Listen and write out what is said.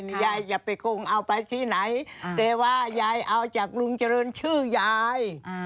ยายจะไปคงเอาไปที่ไหนแต่ว่ายายเอาจากลุงเจริญชื่อยาย